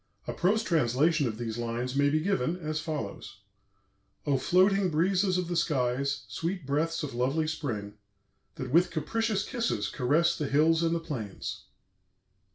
A prose translation of these lines may be given as follows: "O floating breezes of the skies, sweet breaths of lovely spring, that with capricious kisses caress the hills and the plains!